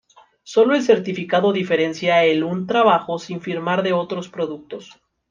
Solo el certificado diferencia el un trabajo sin firmar de otros productos.